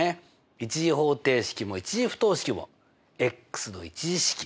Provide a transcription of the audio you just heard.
１次方程式も１次不等式もの１次式。